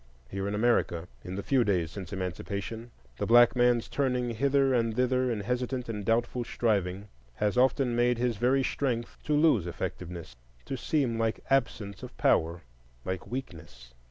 Here in America, in the few days since Emancipation, the black man's turning hither and thither in hesitant and doubtful striving has often made his very strength to lose effectiveness, to seem like absence of power, like weakness.